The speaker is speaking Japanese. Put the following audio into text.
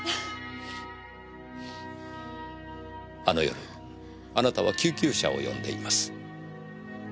あの夜あなたは救急車を呼んでいます。